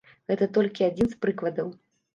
Гэта толькі адзін з прыкладаў.